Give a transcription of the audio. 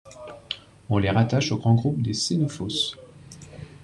On les rattache au grand groupe des Sénoufos.